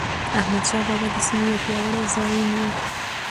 احمدشاه بابا د سیمې یو پیاوړی زعیم و.